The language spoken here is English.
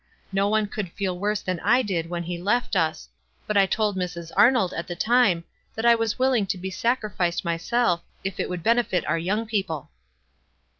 No one could feel worse than I did when he left us ; but I told Mrs. Arnold at the time that I was willing to be sacrificed myself if it would ben eiit our young people."